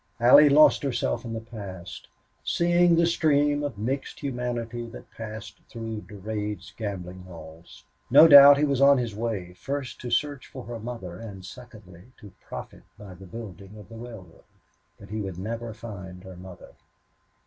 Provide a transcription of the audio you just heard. Allie lost herself in the past, seeing the stream of mixed humanity that passed through Durade's gambling halls. No doubt he was on his way, first to search for her mother, and secondly, to profit by the building of the railroad. But he would never find her mother.